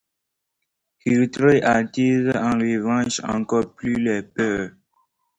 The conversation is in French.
Hitler attise en revanche encore plus les peurs.